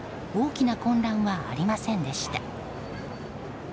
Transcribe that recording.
大きな混乱はありませんでした。